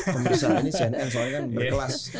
pemeriksaan ini cnn soalnya kan berkelas